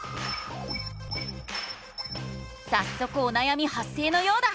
さっそくおなやみはっ生のようだ。